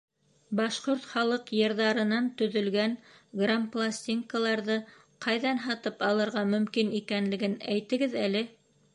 Башҡорт халыҡ йырҙарынан төҙөлгән грампластинкаларҙы ҡайҙан һатып алырға мөмкин икәнлеген әйтегеҙ әле?